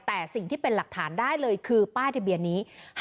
แต่สิ่งที่เป็นหลักฐานได้เลยคือป้ายทะเบียนนี้